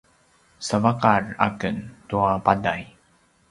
savaqar aken tua paday